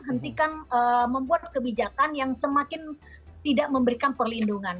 hentikan membuat kebijakan yang semakin tidak memberikan perlindungan